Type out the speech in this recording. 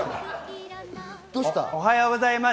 おはようございます。